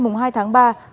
đến sáng ngày hai